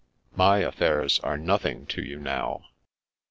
My affairs are nothing to you now."